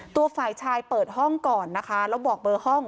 ตัวฝ่ายชายเปิดห้องก่อนนะคะแล้วบอกเบอร์ห้อง